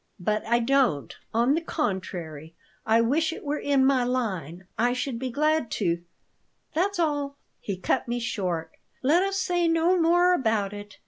"But I don't. On the contrary, I wish it were in my line. I should be glad to " "That's all," he cut me short. "Let us say no more about it."